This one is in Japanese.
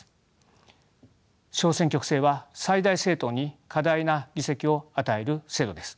小選挙区制は最大政党に過大な議席を与える制度です。